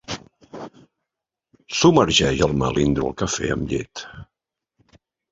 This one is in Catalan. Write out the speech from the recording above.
Submergeix el melindro al cafè amb llet.